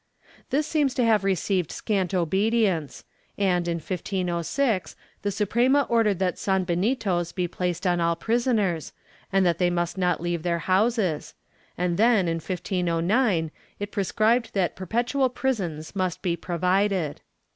^ This seems to have received scant obedience and, in 1506, the Suprema ordered that sanbenitos be placed on all prisoners, and that they must not leave their houses and then, in 1509, it prescribed that perpet ual prisons must be provided.